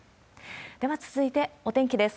では続いて、お天気です。